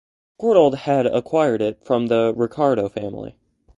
Courtauld had acquired it from the Ricardo family.